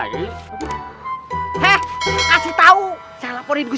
selasi selasi bangun